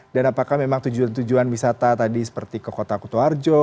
dan apakah memang tujuan tujuan wisata tadi seperti ke kota kutu arjo